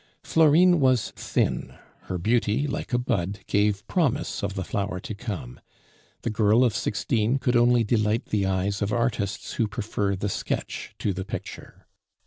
Florine was thin; her beauty, like a bud, gave promise of the flower to come; the girl of sixteen could only delight the eyes of artists who prefer the sketch to the picture.